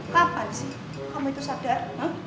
kapan sih kamu itu sadar